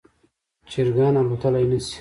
چرګان الوتلی نشي